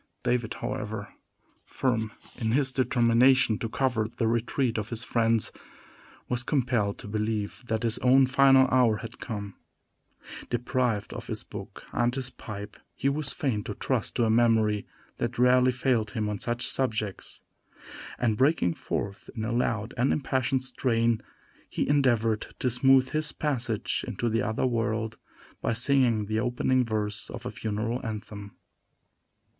David, however, firm in his determination to cover the retreat of his friends, was compelled to believe that his own final hour had come. Deprived of his book and his pipe, he was fain to trust to a memory that rarely failed him on such subjects; and breaking forth in a loud and impassioned strain, he endeavored to smooth his passage into the other world by singing the opening verse of a funeral anthem.